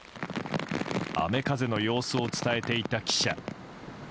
雨風の様子を伝えていた記者。